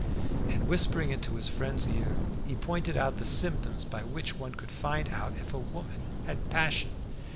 And whispering into his friend's ear, he pointed out the symptoms by which one could find out if a woman had passion.